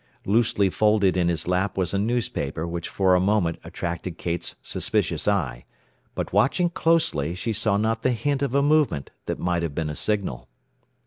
Loosely folded in his lap was a newspaper which for a moment attracted Kate's suspicious eye; but watching closely, she saw not the hint of a movement that might have been a signal.